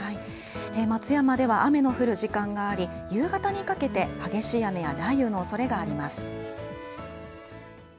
松山では雨の降る時間があり夕方にかけて激しい雨や雷雨のおそれがあります。